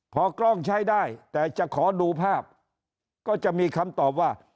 พอกล้องใช้ได้แต่จะขอดูภาพก็จะมีคำตอบว่า